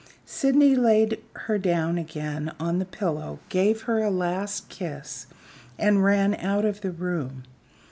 Sydney laid her down again on the pillow, gave her a last kiss, and ran out of the room.